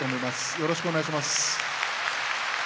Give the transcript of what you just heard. よろしくお願いします。